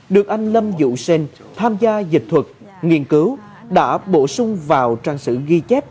được anh lâm dũ sênh tham gia dịch thuật nghiên cứu đã bổ sung vào trang sử ghi chép